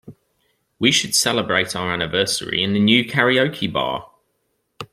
We should celebrate our anniversary in the new karaoke bar.